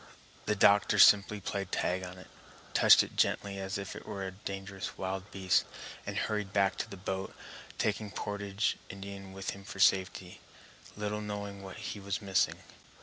The doctor simply played tag on it, touched it gently as if it were a dangerous wild beast, and hurried back to the boat, taking the portage Indian with him for safety, little knowing what he was missing.